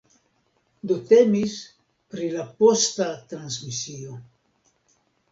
Do temis pri la posta transmisio.